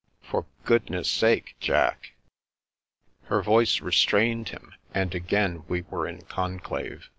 " For goodness sake, Jack !" Her voice restrained him, and again we were in conclave.